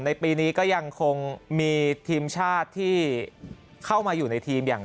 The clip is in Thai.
ปีนี้ก็ยังคงมีทีมชาติที่เข้ามาอยู่ในทีมอย่าง